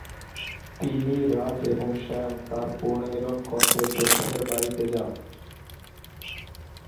তিনি, রাজ এবং স্যাম তার সাথে পুনর্মিলন করতে জোসেফের বাড়িতে যান।